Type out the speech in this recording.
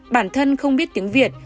bản thân không biết tiếng việt